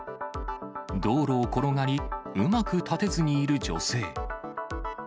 道路を転がり、うまく立てずにいる女性。